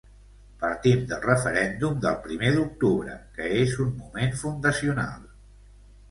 Partim del referèndum del primer d’octubre, que és un moment fundacional.